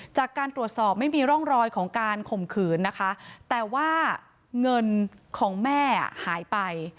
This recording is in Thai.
จากการตรวจสอบไม่มีร่องรอยของการข่มขืนนะคะแต่ว่าเงินของแม่หายไป